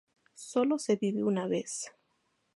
Sólo se vive una vez